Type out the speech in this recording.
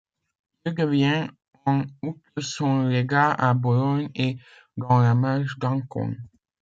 Il devient en outre son légat à Bologne et dans la Marche d'Ancône.